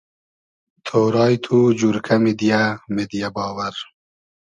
تۉرایی تو جورکۂ میدیۂ میدیۂ باوئر